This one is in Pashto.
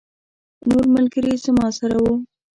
نور ملګري زما سره وو.